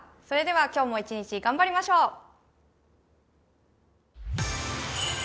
それでは今日も一日頑張りましょう！